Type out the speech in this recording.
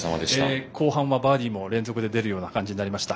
後半はバーディーも連続で出るような感じになりました。